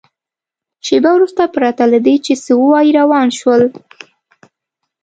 شېبه وروسته پرته له دې چې څه ووایي روان شول.